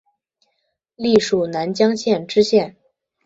历署南江县知县。